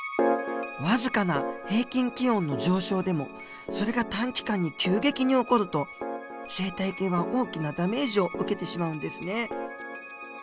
僅かな平均気温の上昇でもそれが短期間に急激に起こると生態系は大きなダメージを受けてしまうんですね。